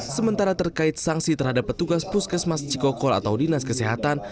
sementara terkait sanksi terhadap petugas puskesmas cikokol atau dinas kesehatan